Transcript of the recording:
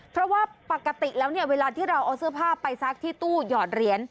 เพราะว่าปกติแล้วเนี่ยเวลาที่เราเอาเสื้อผ้าไปซักที่ตู้หยอดเหรียญ